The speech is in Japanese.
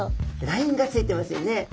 ラインがついてますよね。